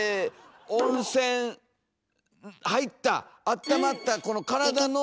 温泉入ったあったまったこの体の。